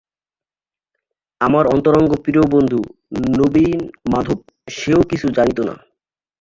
আমার অন্তরঙ্গ প্রিয়বন্ধু নবীনমাধব, সেও কিছু জানিত না।